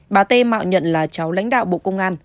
bà t mạo nhận là cháu lãnh đạo bộ công an